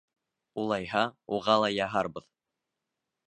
— Улайһа, уға ла яһарбыҙ.